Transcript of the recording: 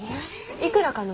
いくらかの？